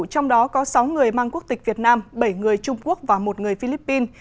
trong đó có sáu người mang quốc tịch việt nam bảy người trung quốc và một người philippines